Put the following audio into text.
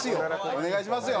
お願いしますよ。